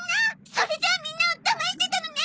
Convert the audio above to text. それじゃあみんなをだましてたのね？